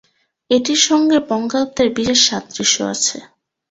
এটির সঙ্গে বঙ্গাব্দের বিশেষ সাদৃশ্য আছে।